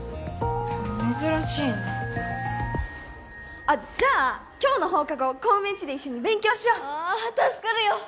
珍しいねあっじゃあ今日の放課後小梅んちで一緒に勉強しよう助かるよ